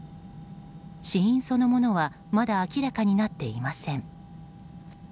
死因そのものはまだ明らかになっていません。